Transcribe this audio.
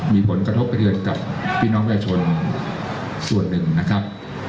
มีผลกระทบไปเดือนกับพี่น้องประชาชนส่วนหนึ่งนะครับ